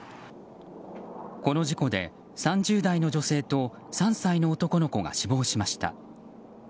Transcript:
この事故で３０代の女性と３歳の男の子が死亡しました。